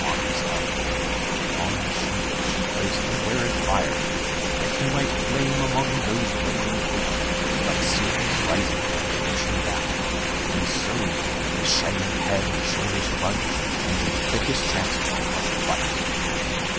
On his helm And on his shield she placed unwearied fire, That he might flame among those lowering hosts. Like Sirius rising from his ocean bath. And so his shining head and shoulders plunged Into the thickest transport of the fight.